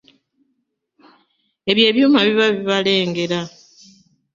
Ebyo ebyuma biba bibalengera.